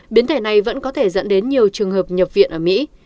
biến thể này vẫn có thể dẫn đến nhiều trường hợp nhập viện ở mỹ